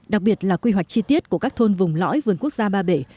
đặc biệt là quy hoạch chi tiết của các thôn vùng lõi vườn quốc gia ba bể